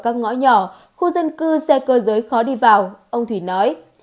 các ngõ nhỏ khu dân cư xe cơ giới khó đi vào ông thủy nói